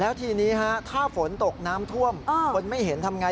แล้วทีนี้ถ้าฝนตกน้ำท่วมคนไม่เห็นทำไง